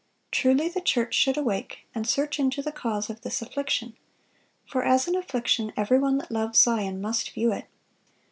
Truly, the church should awake, and search into the cause of this affliction; for as an affliction every one that loves Zion must view it.